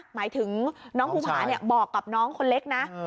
หมายถึงน้องภูผาบอกกับน้องคนเล็กนะ